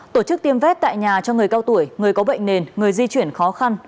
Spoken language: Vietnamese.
tổ chức tiêm vét tại nhà cho người cao tuổi người có bệnh nền người di chuyển khó khăn